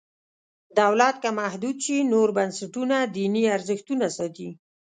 دولت که محدود شي نور بنسټونه دیني ارزښتونه ساتي.